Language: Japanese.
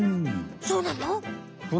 そうなの？